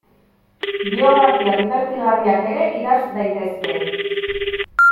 Biografiak dibertigarriak ere idatz daitezke.